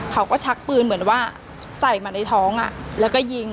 ชักปืนเหมือนว่าใส่มาในท้องแล้วก็ยิง